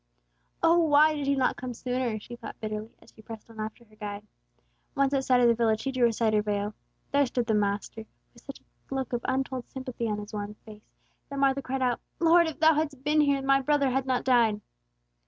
"Oh, why did He not come sooner?" she thought bitterly, as she pressed on after her guide. Once outside of the village, she drew aside her veil. There stood the Master, with such a look of untold sympathy on His worn face, that Martha cried out, "Lord, if Thou hadst been here my brother had not died!"